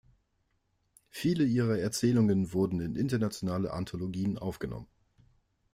Viele ihrer Erzählungen wurden in internationale Anthologien aufgenommen.